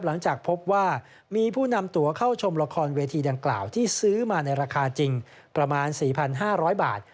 หลังจากพบว่ามีผู้นำตัวเข้าชมละครเวทีดังกล่าวที่ซื้อมาในราคาจริงประมาณ๔๕๐๐บาท